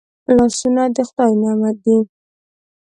لاسونه د خدای نعمت دی